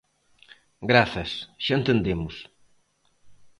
Grazas, xa entendemos.